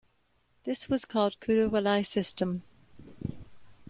This was called "Kudavolai" system.